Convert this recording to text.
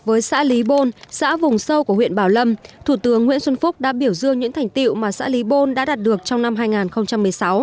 với xã lý bôn xã vùng sâu của huyện bảo lâm thủ tướng nguyễn xuân phúc đã biểu dương những thành tiệu mà xã lý bôn đã đạt được trong năm hai nghìn một mươi sáu